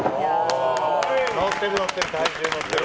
のってるのってる。